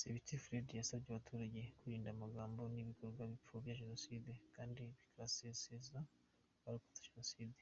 Sabiti Fred yasabye abaturage kwirinda amagambo n’ibikorwa bipfobya Jenoside kandi bikanasesereza abarakotse Jenoside.